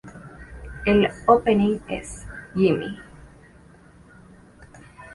El opening es "Gimme!